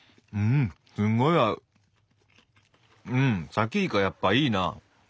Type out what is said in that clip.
さきイカやっぱいいな。